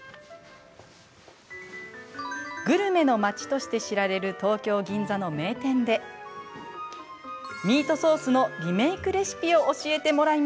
グルメの街として知られる東京・銀座の名店でミートソースのリメイクレシピを教えてもらいました。